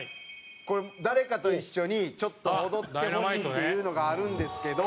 これ誰かと一緒にちょっと踊ってほしいっていうのがあるんですけど。